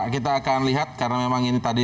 kita akan lihat karena memang ini tadi